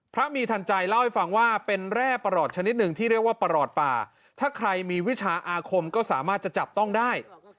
มีทันใจเล่าให้ฟังว่าเป็นแร่ประหลอดชนิดหนึ่งที่เรียกว่าประหลอดป่าถ้าใครมีวิชาอาคมก็สามารถจะจับต้องได้